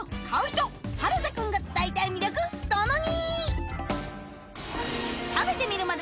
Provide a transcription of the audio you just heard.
人原田くんが伝えたい魅力その②！